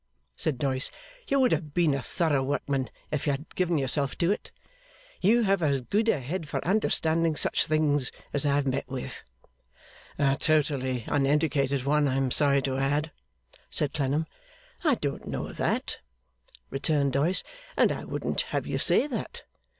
said Doyce. 'You would have been a thorough workman if you had given yourself to it. You have as good a head for understanding such things as I have met with.' 'A totally uneducated one, I am sorry to add,' said Clennam. 'I don't know that,' returned Doyce, 'and I wouldn't have you say that.